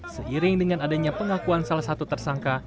seiring dengan adanya pengakuan salah satu tersangka